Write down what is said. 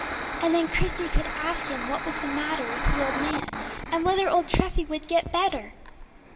And then Christie could ask him what was the matter with the old man, and whether old Treffy would get better.